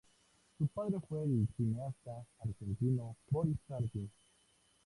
Su padre fue el cineasta argentino Boris Hardy.